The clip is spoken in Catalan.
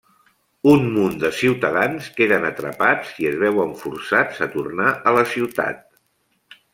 Un munt de ciutadans queden atrapats i es veuen forçats a tornar a la ciutat.